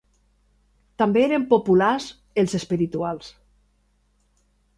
També eren populars els espirituals.